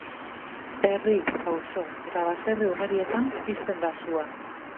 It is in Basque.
Herri, auzo eta baserri ugaritan pizten da sua.